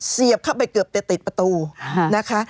เสียบเข้าไปเกือบจะติดประตูนะคะ